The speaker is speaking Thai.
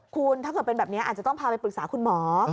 คุณถ้าเกิดเป็นแบบนี้อาจจะต้องพาไปปรึกษาคุณหมอ